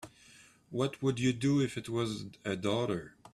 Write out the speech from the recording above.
What would you do if it was a daughter?